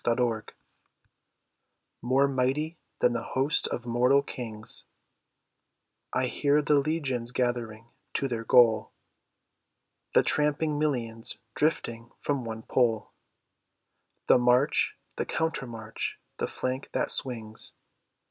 _" BEETHOVEN More mighty than the hosts of mortal kings, I hear the legions gathering to their goal; The tramping millions drifting from one pole, The march, the counter march, the flank that swings.